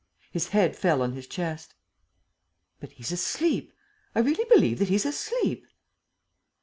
His head fell on his chest. "But he's asleep; I really believe that he's asleep!"